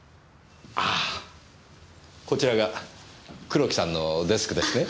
ああこちらが黒木さんのデスクですね？